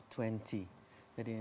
jadi natural disaster